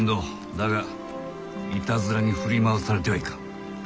だがいたずらに振り回されてはいかん。